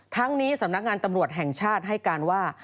ทั้งนี้สำนักงานตำรวจแห่งชาติให้การว่า